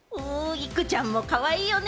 イクちゃんもかわいいよね？